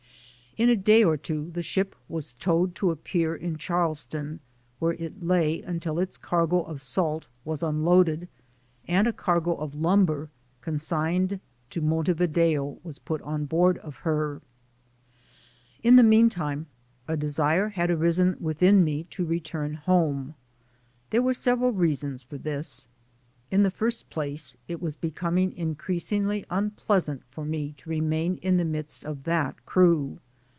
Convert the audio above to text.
In a day or two the ship was towed to a pier in Charlestown, where it lay until its cargo of salt was unloaded and a cargo of lumber consigned to Montevideo was put on board of her. In the meantime a desire had arisen within me to return home. There were several reasons for this. In the first place, it was becoming increasingly un pleasant for me to remain in the midst of that crew.